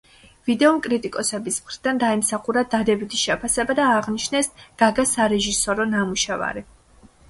ვიდეომ კრიტიკოსების მხრიდან დაიმსახურა დადებითი შეფასება და აღნიშნეს გაგას სარეჟისორო ნამუშევარი.